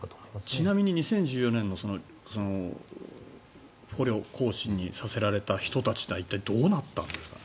ちなみに２０１４年の捕虜行進させられた人たちは一体どうなったんですか？